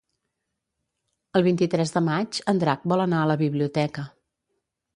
El vint-i-tres de maig en Drac vol anar a la biblioteca.